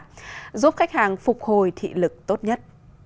giúp khách hàng phục hồi thị lực tốt nhất